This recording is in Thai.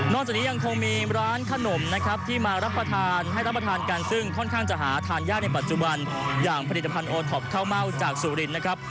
จากนี้ยังคงมีร้านขนมนะครับที่มารับประทานให้รับประทานกันซึ่งค่อนข้างจะหาทานยากในปัจจุบันอย่างผลิตภัณฑ์โอท็อปข้าวเม่าจากสุรินนะครับ